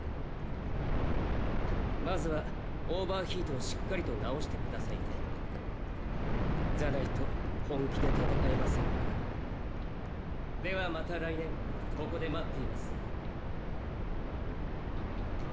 まずはオーバーヒートをしっかりと治してくださいねじゃないと本気で戦えませんからではまた来年ここで待っています